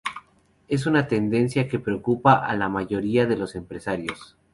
Es una tendencia que preocupa a la mayoría de los empresarios.